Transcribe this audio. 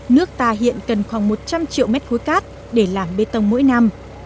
nước ta hiện cần khoảng một trăm linh triệu mét khối cát để làm bê tông mỗi năm